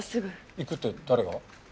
行くって誰が？